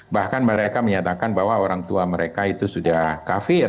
bahkan mereka menyatakan bahwa orang tua mereka itu sudah kafir